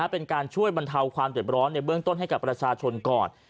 เป็นการช่วยบรรเทาความเจ็บร้อนในเบื้องต้นให้กับประชาชนก่อน